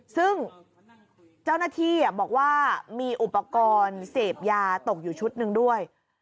ซึ่งเจ้าหน้าที่บอกว่ามีอุปกรณ์เสพยาตกอยู่ชุดหนึ่งด้วย